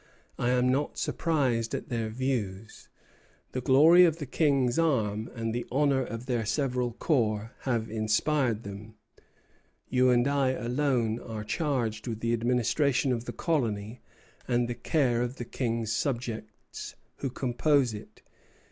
I am not surprised at their views. The glory of the King's arm and the honor of their several corps have inspired them. You and I alone are charged with the administration of the colony and the care of the King's subjects who compose it.